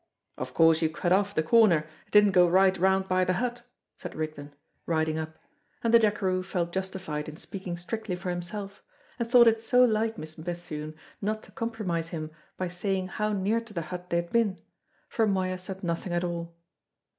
"Of course you cut off the corner, and didn't go right round by the hut?" said Rigden, riding up; and the jackeroo felt justified in speaking strictly for himself; and thought it so like Miss Bethune not to compromise him by saying how near to the hut they had been: for Moya said nothing at all.